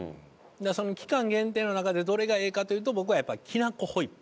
だからその期間限定の中でどれがええかというと僕はやっぱきなこホイップ。